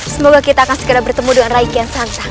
semoga kita akan segera bertemu dengan rai kian santang